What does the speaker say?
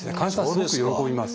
すごく喜びます。